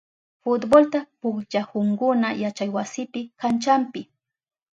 Futbolta pukllahunkuna yachaywasipa kanchanpi.